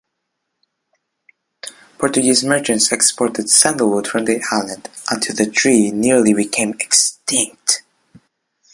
Portuguese merchants exported sandalwood from the island, until the tree nearly became extinct.